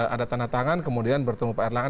ada tanda tangan kemudian bertemu pak erlangga